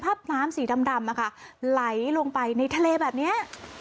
น้ำสีดำไหลลงไปในทะเลแบบนี้